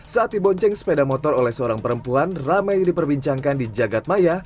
saat dibonceng sepeda motor oleh seorang perempuan ramai yang diperbincangkan di jagad maya